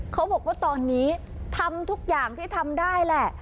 เขาบอกว่าตอนนี้ทำทุกอย่างที่ทำได้แหละ